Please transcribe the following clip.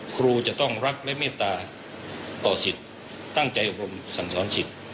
ครูจะต้องรักและเมตตาต่อสิทธิ์ตั้งใจอบรมสั่งสอนสิทธิ์